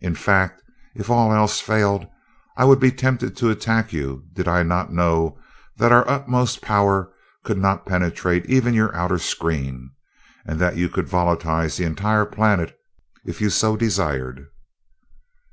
In fact, if all else failed, I would be tempted to attack you, did I not know that our utmost power could not penetrate even your outer screen, and that you could volatilize the entire planet if you so desired."